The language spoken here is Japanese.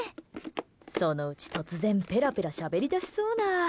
そのうち、突然ペラペラしゃべりだしそうな。